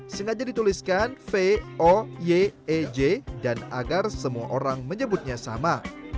sengaja dituliskan v o y e j dan agar semua orang menyebutnya sama